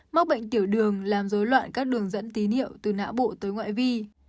mắc bệnh tiểu đường làm dối loạn các đường dẫn tí niệu từ nã bộ tới ngoại vi